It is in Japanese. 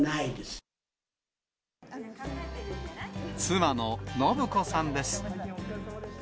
妻の信子さんです。